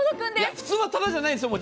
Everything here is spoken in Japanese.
普通はただじゃないんですよ。